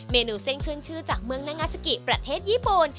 เมนูเส้นขึ้นชื่อจากเมืองนางาซากิประเทศญี่ปุ่น